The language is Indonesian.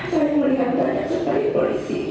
saya melihat banyak sekali polisi